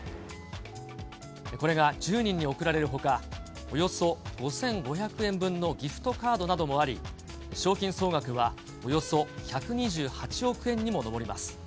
これが１０人に贈られるほか、およそ５５００円分のギフトカードなどもあり、賞金総額は、およそ１２８億円にも上ります。